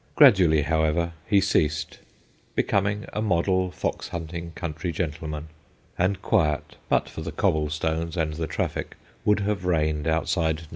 Gradually, however, he ceased, becoming a model fox hunting country gentleman ; and quiet, but for the cobble stones and the traffic, would have reigned outside No.